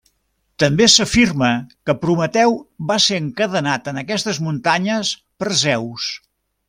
També s'afirma que Prometeu va ser encadenat en aquestes muntanyes per Zeus.